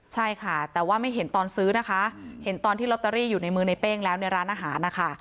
ใช่ค่ะแต่ว่าไม่เห็นตอนซื้อนะคะเห็นตอนที่ลอตเตอรี่อยู่ในมือในเป้งแล้วในร้านอาหารนะคะ